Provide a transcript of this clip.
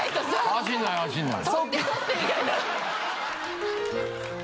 走んない走んない。